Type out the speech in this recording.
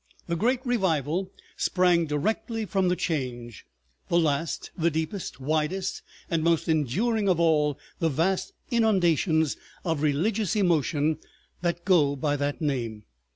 The Great Revival sprang directly from the Change—the last, the deepest, widest, and most enduring of all the vast inundations of religious emotion that go by that name.